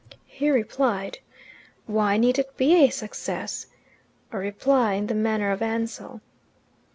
He replied, "Why need it be a success?" a reply in the manner of Ansell.